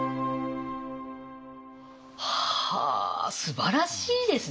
はあすばらしいですね。